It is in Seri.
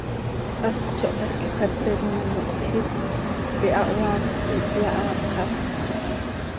Hast zo htexl, xepe com ano htjiit, hihahoaafp ihpyaapxa.